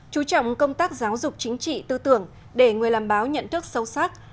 chú trọng công tác giáo dục chính trị tư tưởng để người làm báo nhận thức sâu sắc